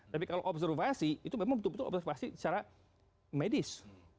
tapi observasi itu memang observasi secara medis